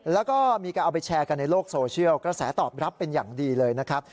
แล้วก็มีการเอาไปแชร์กันในโลกโซเชียลกระแสตอบรับเป็นอย่างดีเลยนะครับ